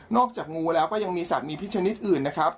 จากงูแล้วก็ยังมีสัตว์มีพิษชนิดอื่นนะครับ